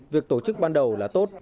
việc tổ chức ban đầu là tốt